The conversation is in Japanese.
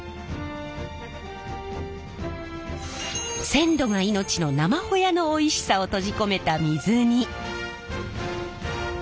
鮮度が命の生ほやのおいしさを閉じ込めた水煮。